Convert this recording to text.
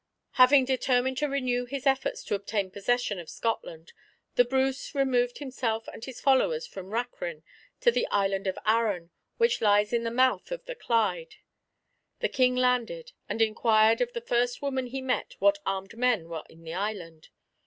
Having determined to renew his efforts to obtain possession of Scotland, the Bruce removed himself and his followers from Rachrin to the island of Arran, which lies in the mouth of the Clyde. The King landed, and inquired of the first woman he met what armed men were in the island.